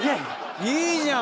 いいじゃん！